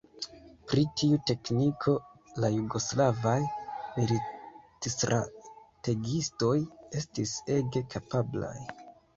Pri tiu tekniko la jugoslavaj militstrategiistoj estis ege kapablaj.